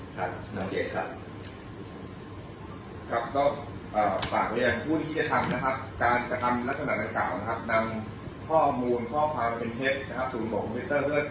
ครับน้องเกตค่ะครับก็เอ่อฝากมาอย่างคุณคิดธรรมนะครับ